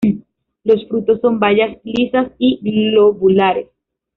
Los frutos son bayas lisas y globulares.